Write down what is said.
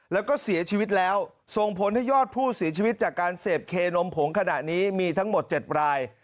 แล้วก็เสียชีวิตแล้วส่งผลให้ยอดผู้เสียชีวิตจากการเสพเคนมผงขณะนี้มีทั้งหมด๗ราย